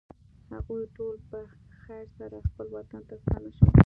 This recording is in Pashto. هغوی ټول په خیر سره خپل وطن ته ستانه شول.